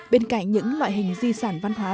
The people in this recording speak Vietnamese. bên cạnh những loại hình di sản văn hóa